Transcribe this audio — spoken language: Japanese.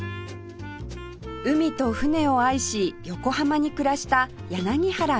海と船を愛し横浜に暮らした柳原良平さん